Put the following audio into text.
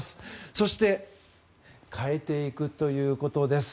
そして変えていくということです。